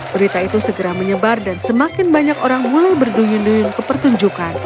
berita itu segera menyebar dan semakin banyak orang mulai berduyun duyun ke pertunjukan